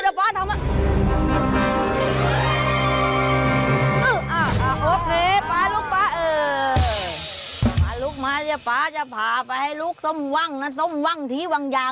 เดี๋ยวเดี๋ยวเดี๋ยวฟ้าทำมา